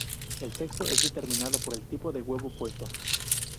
El sexo es determinado por el tipo de huevo puesto.